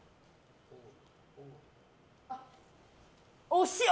惜しい！